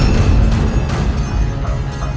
saya sudah mengambil sarang